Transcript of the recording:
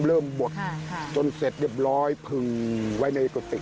เริ่มบวชจนเจ็ดเรียบร้อยพึงไว้ในอิโกติฯ